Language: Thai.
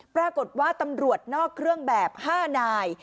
ปรากฏว่าตำรวจนอกเครื่องแบบ๕นาย